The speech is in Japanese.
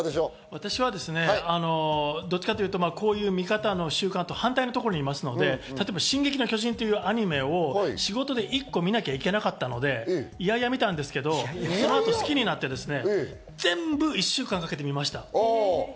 私はどちらかというと、こういう見方と反対側にいるので、例えば『進撃の巨人』というアニメを仕事で１個見なきゃいけなかったので、いやいや見たんですけど、その後、好きになって全部１週間かけてみました。